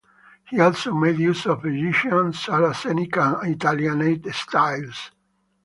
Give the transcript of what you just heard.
He also made use of Egyptian, Saracenic and Italianate styles.